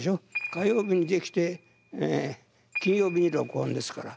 火曜日にできて金曜日に録音ですから。